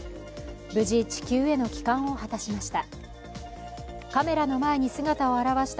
無事、地球への帰還を果たしました